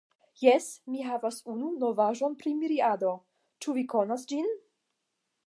Jes, mi havas unu novaĵon pri Miriado. Ĉu vi konas ĝin?